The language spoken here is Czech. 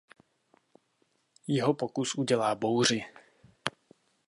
Jeho pokus udělá bouři.